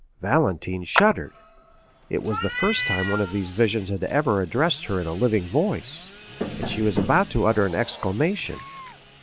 Valentine shuddered. It was the first time one of these visions had ever addressed her in a living voice, and she was about to utter an exclamation.